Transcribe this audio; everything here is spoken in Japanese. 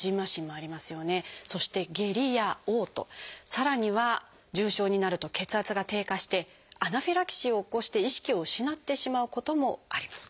さらには重症になると血圧が低下してアナフィラキシーを起こして意識を失ってしまうこともあります。